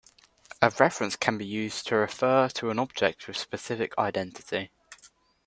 A reference can be used to refer to an object with a specific identity.